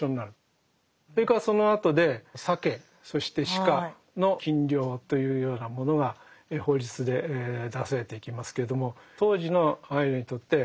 それからそのあとでサケそしてシカの禁猟というようなものが法律で出されていきますけれども。